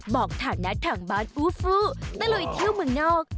บอกฐานะทางบ้านฟูฟูตะลุยเที่ยวเมืองนอก